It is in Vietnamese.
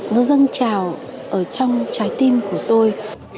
nó dâng trào ở trong trái tim của tôi